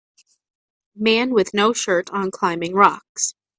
man with no shirt on climbing rocks